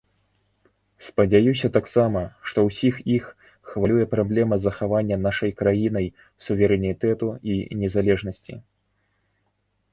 Спадзяюся таксама, што ўсіх іх хвалюе праблема захавання нашай краінай суверэнітэту і незалежнасці.